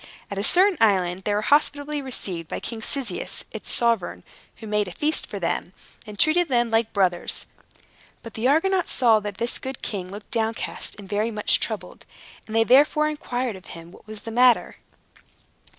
At a certain island, they were hospitably received by King Cyzicus, its sovereign, who made a feast for them, and treated them like brothers. But the Argonauts saw that this good king looked downcast and very much troubled, and they therefore inquired of him what was the matter.